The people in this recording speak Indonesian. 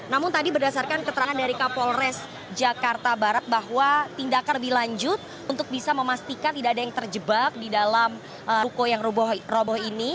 namun tadi berdasarkan keterangan dari kapolres jakarta barat bahwa tindakan lebih lanjut untuk bisa memastikan tidak ada yang terjebak di dalam ruko yang roboh ini